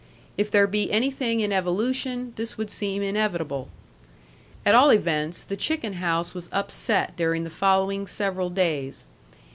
If there be anything in evolution, this would seem inevitable. At all events, the chicken house was upset during the following several days.